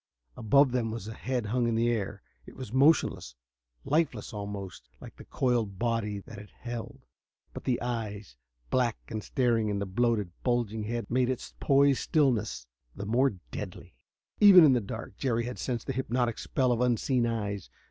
Above them a head hung in air. It was motionless lifeless, almost like the coiled body that held it. But the eyes, black and staring, in the bloated, bulging head, made its poised stillness the more deadly. Even in the dark Jerry had sensed the hypnotic spell of unseen eyes.